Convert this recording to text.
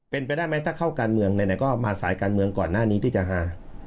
เป็นไปได้ไหมถ้าเข้าการเมืองไหนก็มาสายการเมืองก่อนหน้านี้ที่จะฮา